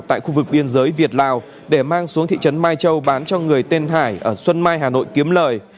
tại khu vực biên giới việt lào để mang xuống thị trấn mai châu bán cho người tên hải ở xuân mai hà nội kiếm lời